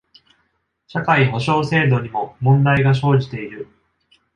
社会保障制度にも問題が生じている。